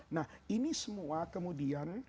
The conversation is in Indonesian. nah ini semua kemudian